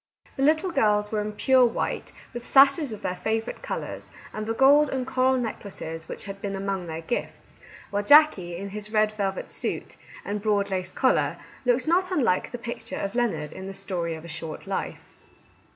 The little girls were in pure white, with sashes of their favourite colours, and the gold and coral necklaces which had been among their gifts ; while Jackie, in his red velvet suit and broad lace collar, looked not unlike the picture of Leonard in cc The Story of a Short Life."